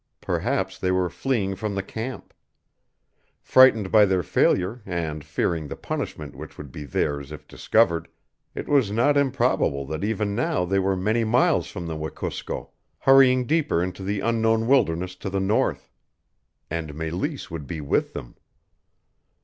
Perhaps they were fleeing from the camp. Frightened by their failure, and fearing the punishment which would be theirs if discovered, it was not improbable that even now they were many miles from the Wekusko, hurrying deeper into the unknown wilderness to the north. And Meleese would be with them!